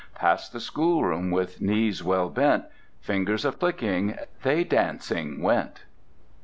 Past the schoolroom, With knees well bent Fingers a flicking, They dancing went....